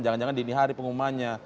jangan jangan di ini hari pengumumannya